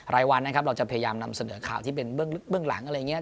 รายวันนะครับเราจะพยายามนำเสนอข่าวที่เป็นเบื้องหลังอะไรอย่างนี้